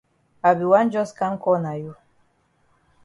I be wan jus kam call na you.